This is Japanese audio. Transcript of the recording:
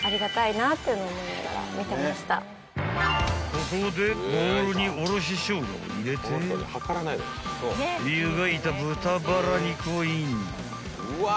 ［ここでボウルにおろししょうがを入れて湯がいた豚バラ肉をイン］